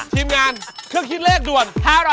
ทีมงานเครื่องคิดเลขด่วน๕๐๐